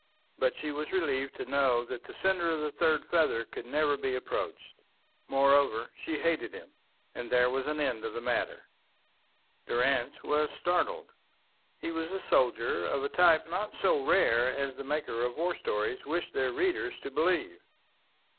But she was relieved to know that the sender of the third feather could never be approached. Moreover, she hated him, and there was an end of the matter. Durrance was startled. He was a soldier of a type not so rare as the makers of war stories wish their readers to believe.